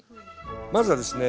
まずはですね